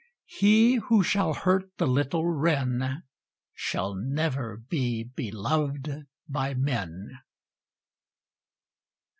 He who shall hurt the little wren Shall never be beloved by men.